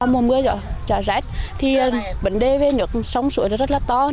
mùa mưa trở rách thì vấn đề về nước sông sụi rất là to